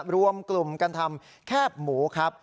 รวมกลุ่มกันทำแคบหมูครับ